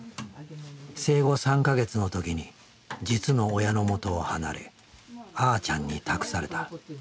生後３か月の時に実の親のもとを離れあーちゃんに託された。